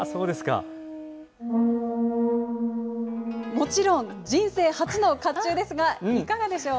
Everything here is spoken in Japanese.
もちろん、人生初のかっちゅうですが、いかがでしょう。